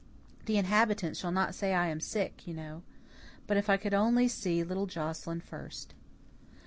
"'The inhabitant shall not say I am sick,' you know. But if I could only see little Joscelyn first!"